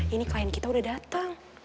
ini kain kita udah datang